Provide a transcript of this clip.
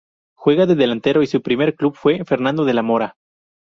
Juega de delantero y su primer club fue Fernando de la Mora.